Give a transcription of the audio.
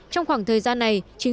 trong khoảng thời gian này